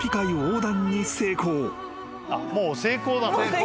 もう成功だ。